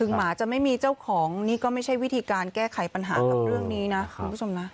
หมาจะไม่มีเจ้าของนี่ก็ไม่ใช่วิธีการแก้ไขปัญหากับเรื่องนี้นะคุณผู้ชมนะ